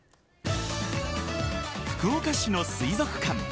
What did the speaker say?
福岡市の水族館。